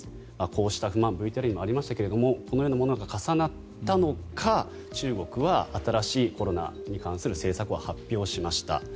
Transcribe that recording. こうした不満ＶＴＲにもありましたがこのようなものが重なったのか中国は新しいコロナに関する政策を発表しました。